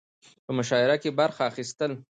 په مشاعره کې برخه اخستل